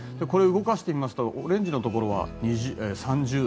動かしてみますとオレンジのところは３０度。